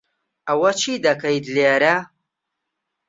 ئەوە چی دەکەیت لێرە؟